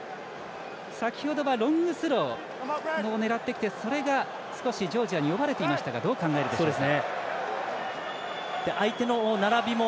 先ほどはロングスローを狙ってきて、それが少しジョージアに読まれていましたがどう考えるでしょうか。